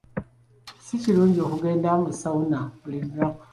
Si kirungi kugenda mu sawuna buli lunaku.